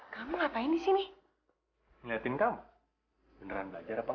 kenapa sih gue sebenarnya